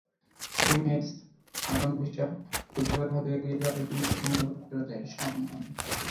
MS Alam visa প্রক্রিয়া করে হজে নিয়ে যাওয়ার জন্য সম্মতিপত্রও দেয়।